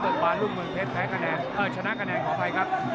เบิกปลาลูกเมืองเพชรแพ้กระแนนเอ่อชนะกระแนนขออภัยครับ